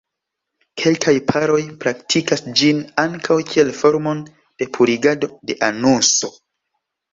Kelkaj paroj praktikas ĝin ankaŭ kiel formon de purigado de anuso.